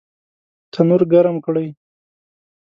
تنور ګرم کړئ